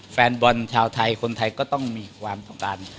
แฟนบอลชาวไทยคนไทยก็ต้องมีความต้องการ